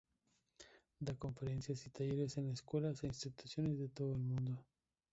Da conferencias y talleres en escuelas e instituciones de todo el mundo.